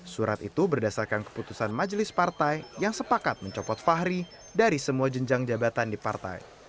surat itu berdasarkan keputusan majelis partai yang sepakat mencopot fahri dari semua jenjang jabatan di partai